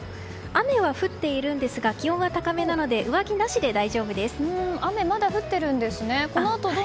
雨は降っているんですが気温は高めなので雨、まだ降ってるんですね。